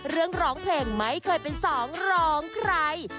ร้องเพลงไม่เคยเป็นสองร้องใคร